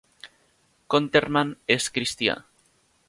Konterman és cristià.